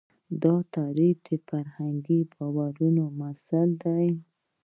دا تعریف د فرهنګي باورونو محصول دی.